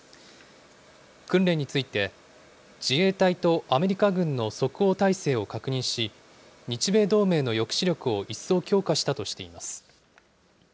訓練について、自衛隊とアメリカ軍の即応態勢を確認し、日米同盟の抑止力を一層強化したとしています。